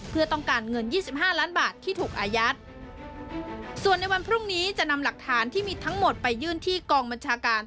เพื่อต้องการเงินยี่สิบห้าล้านบาทที่ถูกอายัดส่วนในวันพรุ่งนี้จะนำหลักฐานที่มีทั้งหมดไปยื่นที่กองบัญชาการ